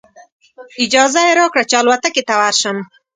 اجازه یې راکړه چې الوتکې ته ورشم.